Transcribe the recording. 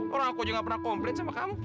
orang aku juga gak pernah komplain sama kamu